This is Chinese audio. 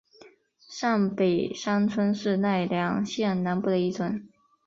上北山村是奈良县南部的一村。